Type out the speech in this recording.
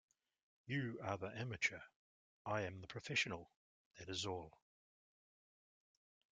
You are the amateur, I am the professional — that is all.